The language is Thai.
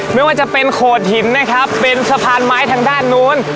ไม่ว่าจะเป็นโขดหินนะครับเป็นสะพานไม้ทางด้านนู้น